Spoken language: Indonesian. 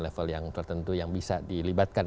level yang tertentu yang bisa dilibatkan